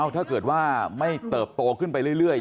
ถ้าเกิดว่าไม่เติบโตขึ้นไปเรื่อย